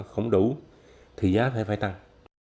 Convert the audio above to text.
không đủ thì giá phải tăng